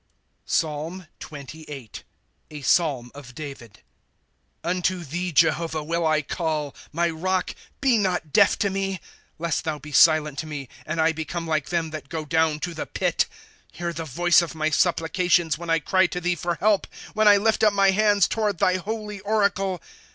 PSALM XXVIIL [A Psalm] of David. ^ Unto thee, Jehovah, will I call. My rock, be not deal' to me ; Lest thou be silent to me. And I become like them that go down to the pit. ^ Hear the voice of my supplications when I cry to thee for help. When I lift up my hands toward thy holy oracle.